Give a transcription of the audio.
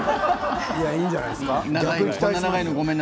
いいんじゃないですか。